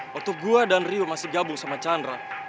waktu gua dan rio masih gabung sama chandra